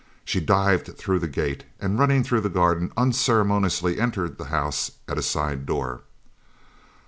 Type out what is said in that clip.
She dived through the gate, and running through the garden, unceremoniously entered the house at a side door.